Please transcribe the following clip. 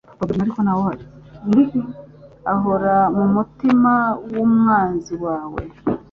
uhora mumutima wumwanzi wawe